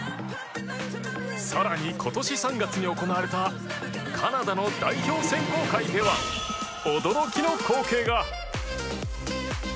さらに今年３月に行われたカナダの代表選考会では驚きの光景が。